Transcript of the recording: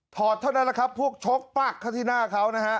เท่านั้นแหละครับพวกชกปักเข้าที่หน้าเขานะฮะ